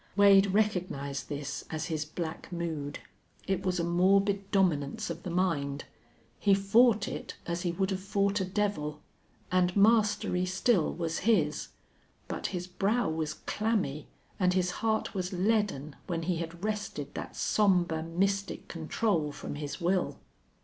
Wade recognized this as his black mood. It was a morbid dominance of the mind. He fought it as he would have fought a devil. And mastery still was his. But his brow was clammy and his heart was leaden when he had wrested that somber, mystic control from his will.